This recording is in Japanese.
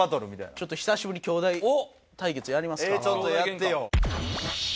ちょっと久しぶりに兄弟対決やりますか。